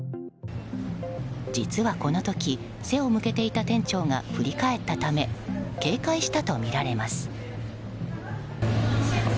実はこの時、背を向けていた店長が振り返ったため警戒したとみられます。